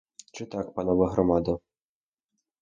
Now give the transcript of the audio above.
Чи так, панове громадо?